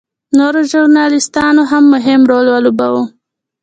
نورو ژورنالېستانو هم مهم رول ولوباوه.